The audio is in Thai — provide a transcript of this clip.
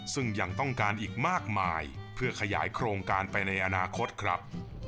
ซึ่งยังต้องการอีกมากมายเพื่อขยายโครงการไปในอนาคตครับ